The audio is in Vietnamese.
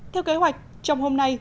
theo kế hoạch trong hôm nay